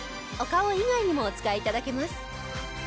お顔以外にもお使い頂けます。